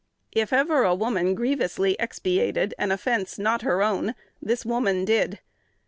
If ever a woman grievously expiated an offence not her own, this woman did.